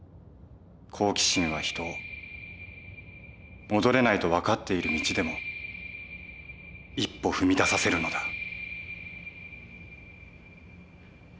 好奇心は人を戻れないと分かっている道でも一歩踏み出させるのだ。